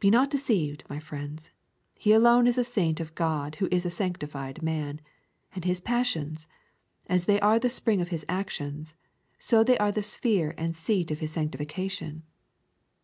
Be not deceived, my friends; he alone is a saint of God who is a sanctified man; and his passions, as they are the spring of his actions, so they are the sphere and seat of his sanctification.